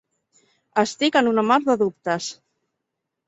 Estic en una mar de dubtes.